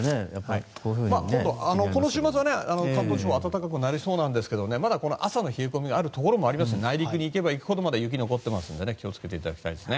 この週末は関東地方も暖かくなりそうなので朝の冷え込みがあるところもありますし内陸に行けば行くほど雪が残ってますので気を付けていただきたいですね。